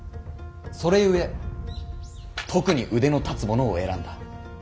それゆえ特に腕の立つ者を選んだ。